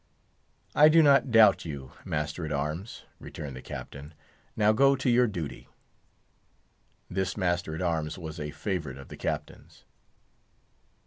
"I do not doubt you, master at arms," returned the Captain; "now go to your duty." This master at arms was a favourite of the Captain's.